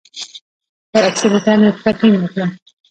پر اکسلېټر مي پښه ټینګه کړه !